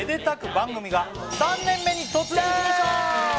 番組が３年目に突入しました！